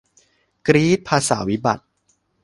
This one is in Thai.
กรี๊ด ภาษาวิบัติ